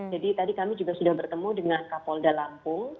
jadi tadi kami juga sudah bertemu dengan kapolda lampung